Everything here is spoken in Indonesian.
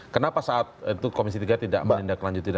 kenapa saat itu komisi tiga tidak menindak lanjuti